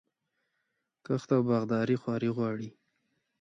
کښت او باغداري خواري غواړي.